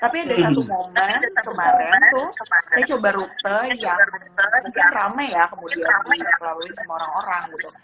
tapi ada satu momen kemarin tuh saya coba rute yang mungkin rame ya kemudian dilalui sama orang orang gitu